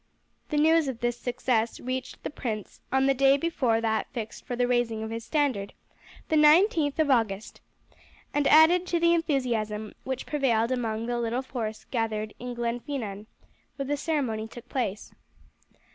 The news of this success reached the prince on the day before that fixed for the raising of his standard, the 19th of August, and added to the enthusiasm which prevailed among the little force gathered in Glenfinnan, where the ceremony took place.